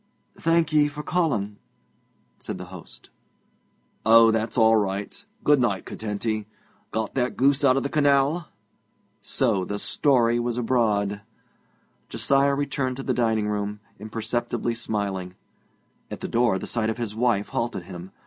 'Thank ye for calling,' said the host. 'Oh, that's all right. Good night, Curtenty. Got that goose out of the canal?' So the story was all abroad! Josiah returned to the dining room, imperceptibly smiling. At the door the sight of his wife halted him.